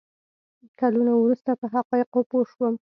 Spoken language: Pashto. کلونه وروسته په حقایقو پوه شوم.